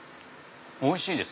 おいしいです！